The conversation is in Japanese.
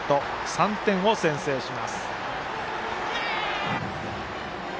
３点を先制します。